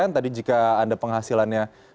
tadi jika anda penghasilannya